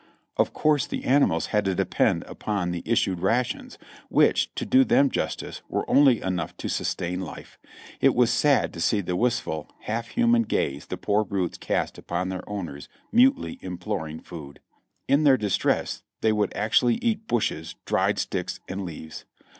Of course the animals had to depend upon the issued rations, which, to do them justice, were only enough to sustain life. It was sad to see the wistful, half human gaze the poor brutes cast upon their owners, mutely imploring food. In their distress they would actually eat bushes, dried sticks and leaves.